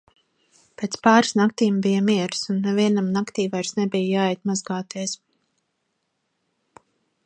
Pēc pāris naktīm bija miers un nevienam naktī vairs nebija jāiet mazgāties.